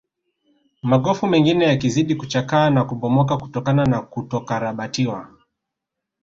Magofu mengine yakizidi kuchakaa na kubomoka kutokana na kutokarabatiwa